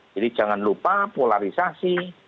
jadi jangan lupa polarisasi